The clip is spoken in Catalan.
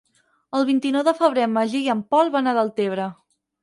El vint-i-nou de febrer en Magí i en Pol van a Deltebre.